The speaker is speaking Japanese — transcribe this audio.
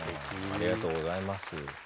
ありがとうございます。